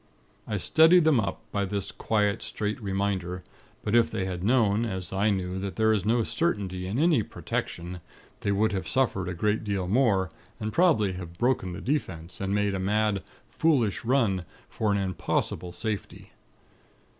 "I steadied them up, by this quiet, straight reminder; but if they had known, as I knew, that there is no certainty in any 'Protection,' they would have suffered a great deal more, and probably have broken the 'Defense,' and made a mad, foolish run for an impossible safety.